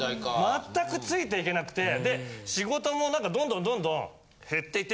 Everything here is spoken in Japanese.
全くついていけなくてで仕事も何かどんどん減っていって。